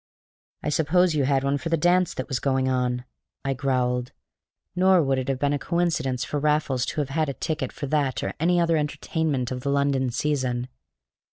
"I suppose you had one for the dance that was going on," I growled. Nor would it have been a coincidence for Raffles to have had a ticket for that or any other entertainment of the London season.